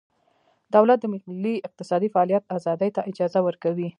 دولت د ملي اقتصادي فعالیت ازادۍ ته اجازه ورکوي